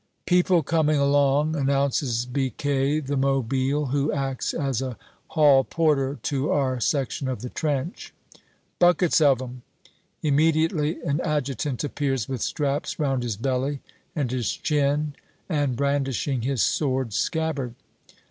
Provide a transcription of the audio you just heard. "People coming along," announces Biquet the mobile, who acts as hall porter to our section of the trench "buckets of 'em." Immediately an adjutant appears, with straps round his belly and his chin, and brandishing his sword scabbard.